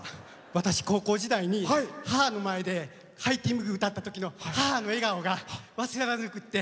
私、高校時代に母の前で「ハイティーン・ブギ」を歌ったときの母の笑顔が忘れられなくて。